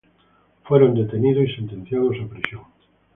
Fueron detenidos y sentenciados a prisión.